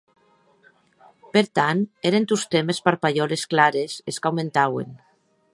Per tant, èren tostemp es parpalhòles clares es qu'aumentauen.